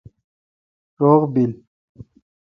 روغ بیل